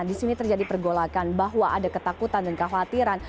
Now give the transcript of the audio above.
di sini terjadi pergolakan bahwa ada ketakutan dan kekhawatiran